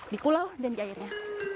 di pulau dan di airnya